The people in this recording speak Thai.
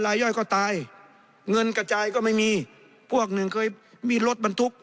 ย่อยก็ตายเงินกระจายก็ไม่มีพวกหนึ่งเคยมีรถบรรทุก